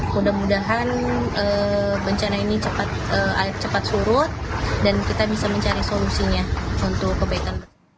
mudah mudahan bencana ini cepat surut dan kita bisa mencari solusinya untuk kebaikan